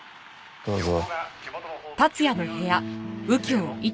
どうぞ。